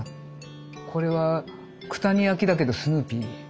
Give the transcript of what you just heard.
これは九谷焼だけどスヌーピー。